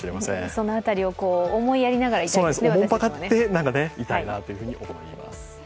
その辺りを思いやりながら私たちも慮っていきたいなと思います。